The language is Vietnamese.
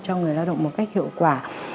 cho người lao động một cách hiệu quả